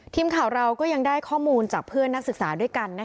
ทีมข่าวเราก็ยังได้ข้อมูลจากเพื่อนนักศึกษาด้วยกัน